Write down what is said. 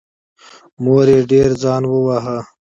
مور یې ډېر ځان وواهه.